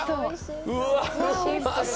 うわうまそう